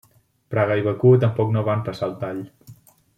Praga i Bakú tampoc no van passar el tall.